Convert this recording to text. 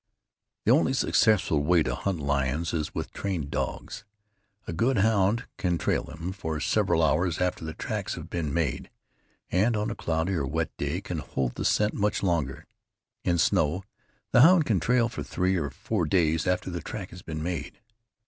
The only successful way to hunt lions is with trained dogs. A good hound can trail them for several hours after the tracks have been made, and on a cloudy or wet day can hold the scent much longer. In snow the hound can trail for three or four days after the track has been made.